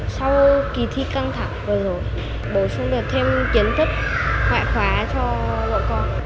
sau kỳ thi căng thẳng vừa rồi bổ sung được thêm kiến thức ngoại khóa cho bọn con